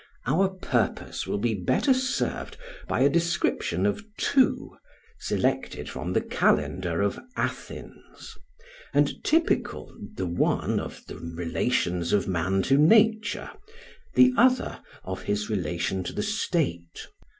Our purpose will be better served by a description of two, selected from the calendar of Athens, and typical, the one of the relations of man to nature, the other of his relation to the state.